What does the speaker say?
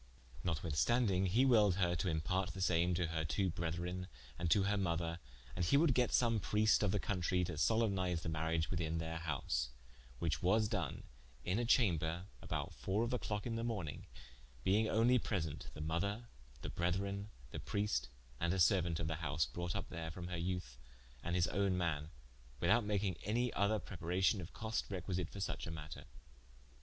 Notwithstanding, he willed her to imparte the same to her twoo brethren, and to her mother, and he would get some Priest of the countrie to solempnize the mariage within their house: which was doen in a chamber, about fower of the clocke in the morning, being onely present the mother, the brethren, the Prieste, and a seruaunt of the house, brought vp there from her youthe, and his own man, without making any other preparation of coste, requisite for suche a matter.